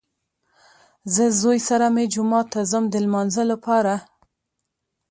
زه زوی سره مې جومات ته ځم د لمانځه لپاره